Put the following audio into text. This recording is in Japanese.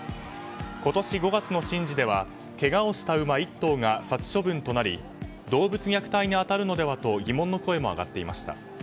今年５月の神事ではけがをした馬１頭が殺処分となり動物虐待に当たるのではと疑問の声も上がっていました。